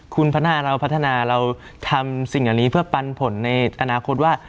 คุณพัฒนาเราพัฒนาเราทำสิ่งเหล่านี้เพื่อปันผลในอนาคตว่า